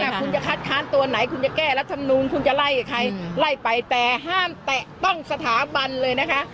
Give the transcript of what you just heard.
คุณจะคัดค้านตัวไหนคุณจะแก้รัฐมนูลคุณจะไล่กับใครไล่ไปแต่ห้ามแตะต้องสถาบันเลยนะคะ